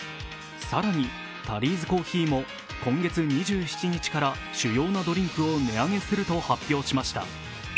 更に、タリーズコーヒーも今月２７日から主要なドリンクを値上げすると発表しました。